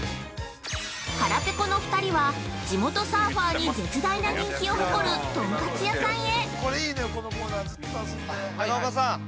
◆腹ペコの２人は地元サーファーに絶大な人気を誇るトンカツ屋さんへ。